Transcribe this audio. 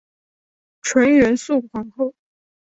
纯元肃皇后。